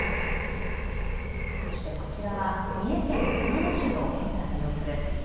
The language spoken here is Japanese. そしてこちらは、三重県熊野市の現在の様子です。